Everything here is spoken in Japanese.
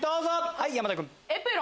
はい山田君。